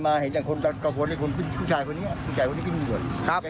มันจบมันปิดจากที่นี่ชนปุ้มเดินไปทุกเรือ